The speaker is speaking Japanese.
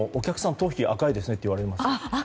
頭皮赤いですねって言われるんですよ。